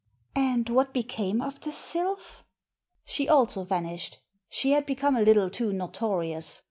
"And what became of the Sylph ?"" She also vanished. She had become a little too notorious.